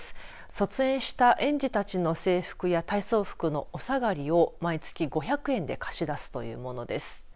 卒園した園児たちの制服や体操服のお下がりを毎月５００円で貸し出すというものです。